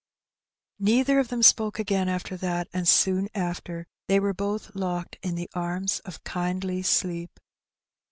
Neither of them spoke again after that, and soon after they were both locked in the arms of kindly sleep.